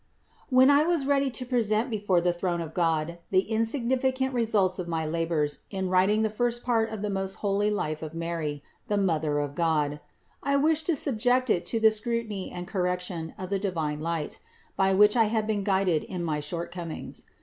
When I was ready to present before the throne of God the insignificant results of my labors in writing the first part of the most holy life of Mary, the Mother of God, I wished to subject it to the scrutiny and correction of the divine light, by which I had been guided in my shortcomings.